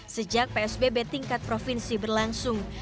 sejak psbb tingkat provinsi berlangsung